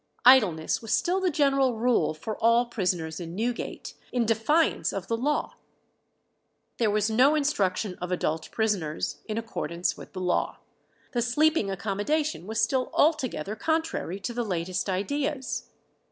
Idleness was still the general rule for all prisoners in Newgate, in defiance of the law. There was no instruction of adult prisoners, in accordance with the law. The sleeping accommodation was still altogether contrary to the latest ideas.